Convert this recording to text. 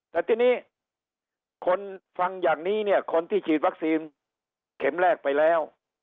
แต่ทีนี้คนฟังอย่างนี้เนี่ยคนที่ฉีดวัคซีนเข็มแรกไปแล้ว